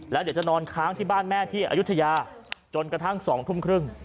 แล้วเดี๋ยวจะนอนค้างที่บ้านแม่ที่อายุทยาจนกระทั่ง๒ทุ่มครึ่ง